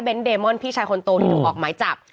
เดมอนพี่ชายคนโตที่ถูกออกหมายจับ